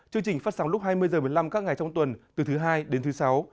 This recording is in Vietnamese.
chương trình phát sóng lúc hai mươi h một mươi năm các ngày trong tuần từ thứ hai đến thứ sáu